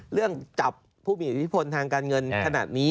เรื่องจับผู้มีอิทธิพลทางการเงินขนาดนี้